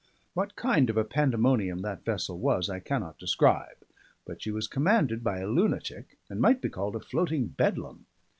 What kind of a pandemonium that vessel was I cannot describe, but she was commanded by a lunatic, and might be called a floating Bedlam.